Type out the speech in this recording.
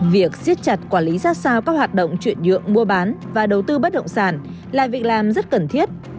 việc siết chặt quản lý ra sao các hoạt động chuyển nhượng mua bán và đầu tư bất động sản là việc làm rất cần thiết